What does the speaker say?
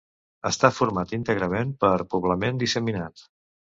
Està format íntegrament per poblament disseminat.